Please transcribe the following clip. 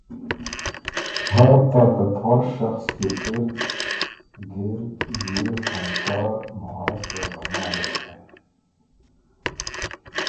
ہر طاقت ور شخص کے گرد یہ فنکار محاصرہ بنا لیتے ہیں۔